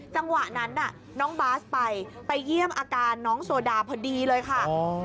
จังหวะนั้นน่ะน้องบาสไปไปเยี่ยมอาการน้องโซดาพอดีเลยค่ะ